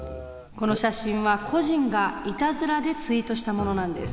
この写真は個人がいたずらでツイートしたものなんです。